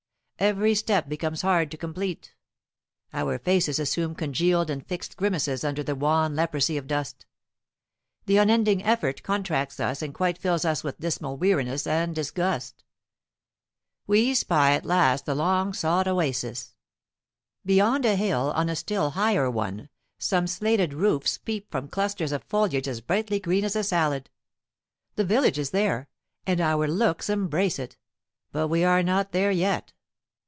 Every step becomes hard to complete. Our faces assume congealed and fixed grimaces under the wan leprosy of dust. The unending effort contracts us and quite fills us with dismal weariness and disgust. We espy at last the long sought oasis. Beyond a hill, on a still higher one, some slated roofs peep from clusters of foliage as brightly green as a salad. The village is there, and our looks embrace it, but we are not there yet.